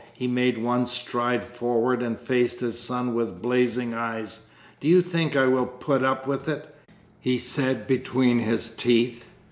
He made one stride forward, and faced his son with blazing eyes. "Do you think I will put up with it?" he said, between his teeth.